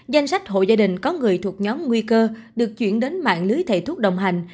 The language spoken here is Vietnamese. danh sách hộ gia đình có người thuộc nhóm nguy cơ được chuyển đến mạng lưới thầy thuốc đồng hành